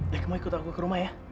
dia kemarin ikut aku ke rumah ya